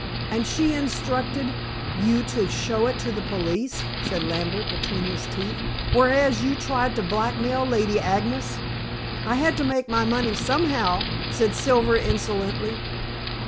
"And she instructed you to show it to the police," said Lambert between his teeth, "whereas you tried to blackmail Lady Agnes." "I had to make my money somehow," said Silver insolently.